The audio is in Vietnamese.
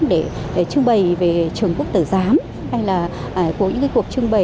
để trưng bày về trường quốc tử giám hay là có những cuộc trưng bày